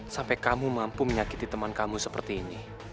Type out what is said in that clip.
sampai kamu mampu menyakiti teman kamu seperti ini